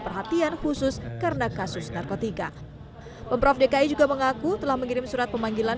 perhatian khusus karena kasus narkotika pemprov dki juga mengaku telah mengirim surat pemanggilan